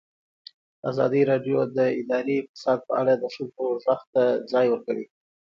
ازادي راډیو د اداري فساد په اړه د ښځو غږ ته ځای ورکړی.